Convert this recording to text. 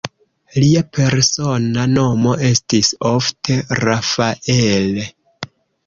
Lia persona nomo estis ofte "Rafael".